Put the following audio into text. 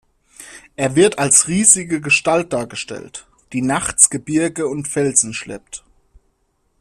Er wird als riesige Gestalt dargestellt, die nachts Gebirge und Felsen schleppt.